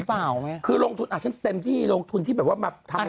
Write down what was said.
มันทำให้ถามแรงไหวไหม